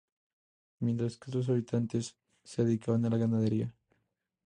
Mientras que otros habitantes, se dedican a la ganadería.